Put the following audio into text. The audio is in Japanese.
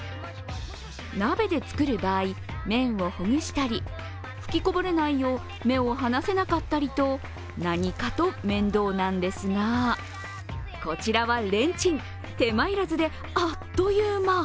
鍋で作る場合、麺をほぐしたり吹きこぼれないよう、目を離せなかったりと、何かと面倒なんですが、こちらはレンチン、手間いらずであっという間。